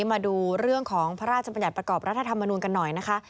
มาดูเรื่องของพระราชบัญญัติประกอบรัฐธรรมนูลกันหน่อยนะคะ